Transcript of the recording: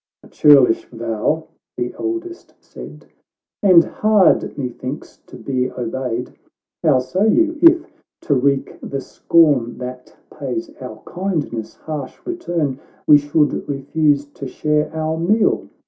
"—" A churlish vow," the eldest said, "And hard, methinks, to be obeyed. How say you, if, to wreak the scorn That pays our kindness harsh return, We should refuse to share our meal